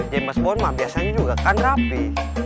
james bond mah biasanya juga kan rapi